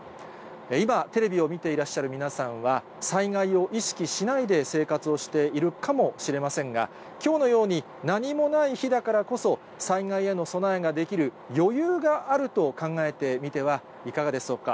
今、テレビを見ていらっしゃる皆さんは、災害を意識しないで生活をしているかもしれませんが、きょうのように、何もない日だからこそ、災害への備えができる余裕があると考えてみてはいかがでしょうか。